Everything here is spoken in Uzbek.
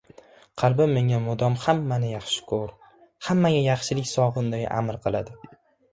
Qalbim menga mudom hammani yaxshi ko‘r, hammaga yaxshilik sog‘in deya amr qiladi.